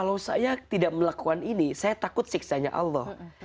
kalau saya tidak melakukan ini saya takut siksanya allah